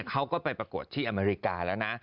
เขาก็ไปประกวดที่อเมริกาแล้วนะ